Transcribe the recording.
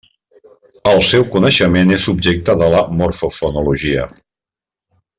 El seu coneixement és objecte de la morfofonologia.